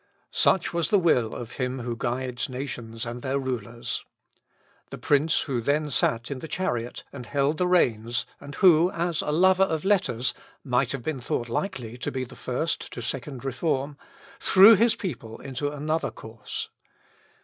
Such was the will of Him who guides nations and their rulers. The prince who then sat in the chariot and held the reins, and who, as a lover of letters, might have been thought likely to be the first to second reform, threw his people into another course.